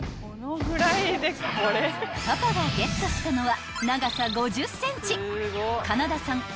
［パパがゲットしたのは］